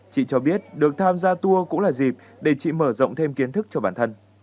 chị cho biết được tham gia tour cũng là dịp để chị mở rộng thêm kiến thức cho bản thân